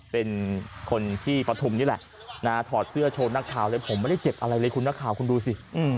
เป็นคนที่ปฐุมนี่แหละถอดเสื้อโชว์นักข่าวเลยผมไม่ได้เจ็บอะไรเลยคุณนักข่าวคุณดูสิ